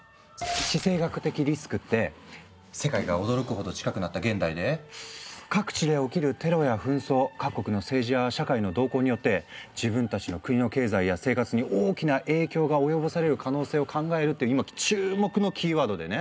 地政学的リスクって世界が驚くほど近くなった現代で各地で起きるテロや紛争各国の政治や社会の動向によって自分たちの国の経済や生活に大きな影響が及ぼされる可能性を考えるっていう今注目のキーワードでね。